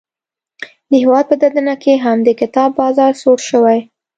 د هیواد په دننه کې هم د کتاب بازار سوړ شوی.